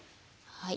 はい。